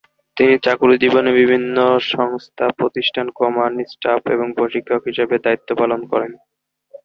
তিনি চাকুরী জীবনে বিভিন্ন/সংস্থা/প্রতিষ্ঠানে কমান্ড, স্টাফ এবং প্রশিক্ষক হিসেবে দায়িত্ব পালন করেন।